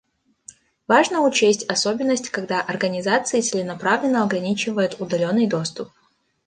Важно учесть особенность, когда организации целенаправленно ограничивают удаленный доступ